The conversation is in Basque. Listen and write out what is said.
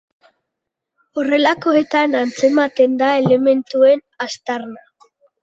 Horrelakoetan antzematen da elementuen aztarna.